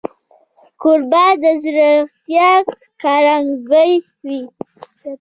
کوربه د زړورتیا ښکارندوی وي.